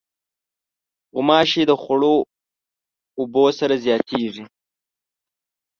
غوماشې د خړو اوبو سره زیاتیږي.